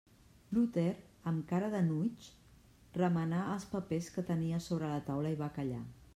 Luter, amb cara d'enuig, remenà els papers que tenia sobre la taula i va callar.